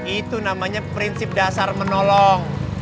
itu namanya prinsip dasar menolong